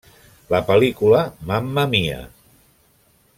La pel·lícula Mamma Mia!